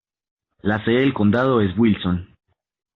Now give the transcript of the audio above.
La sede del condado es Wilson.